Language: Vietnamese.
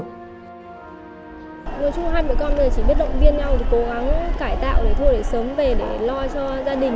nói chung hai mẹ con bây giờ chỉ biết động viên nhau để cố gắng cải tạo để thôi để sớm về để lo cho gia đình